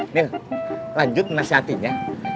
nih lanjut menasihatin ya